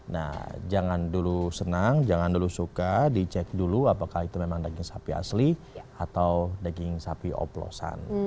nah jangan dulu senang jangan dulu suka dicek dulu apakah itu memang daging sapi asli atau daging sapi oplosan